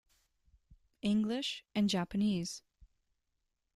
English and Japanese.